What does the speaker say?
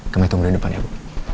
kami tunggu dari depan ya bu